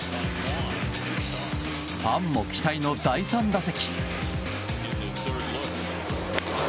ファンも期待の第３打席。